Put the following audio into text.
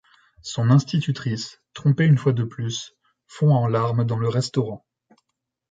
Son institutrice, trompée une fois de plus, fond en larmes dans le restaurant.